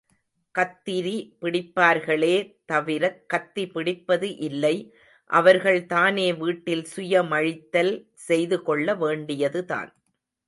கத்திரி பிடிப்பார்களே தவிரக் கத்தி பிடிப்பது இல்லை அவர்கள் தானே வீட்டில் சுய மழித்தல் செய்து கொள்ள வேண்டியதுதான்.